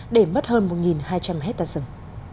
để mất hơn một hai trăm linh hectare rừng